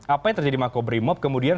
apa yang terjadi makobrimob kemudian